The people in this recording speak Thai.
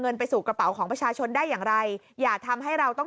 ไปสู่กระเป๋าของประชาชนได้อย่างไรอย่าทำให้เราต้อง